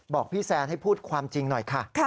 บอกพี่แซนให้พูดความจริงหน่อยค่ะ